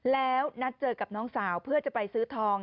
แล้วนัดเจอกับน้องสาวเพื่อจะไปซื้อทอง